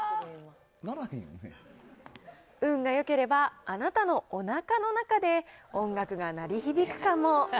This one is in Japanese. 運がよければあなたのおなかの中で音楽が鳴り響くかも。